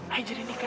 ayah jadi nikah